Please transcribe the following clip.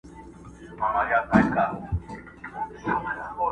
نه اسمان نه مځکه وینم خړي دوړي پورته کېږي٫